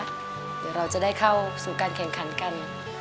เดี๋ยวเราจะได้เข้าสู่การแข่งขันกัน